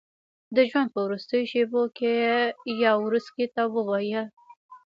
د ژوند په وروستیو شېبو کې یاورسکي ته وویل.